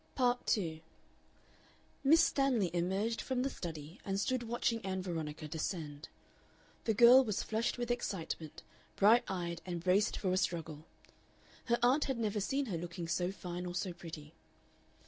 Part 2 Miss Stanley emerged from the study and stood watching Ann Veronica descend. The girl was flushed with excitement, bright eyed, and braced for a struggle; her aunt had never seen her looking so fine or so pretty.